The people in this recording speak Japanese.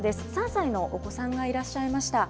３歳のお子さんがいらっしゃいました。